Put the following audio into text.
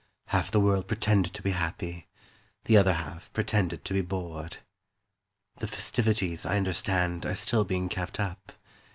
Half the world pretended to be happy, The other half pretended to be bored. The festivities, I understand, Are still being kept up.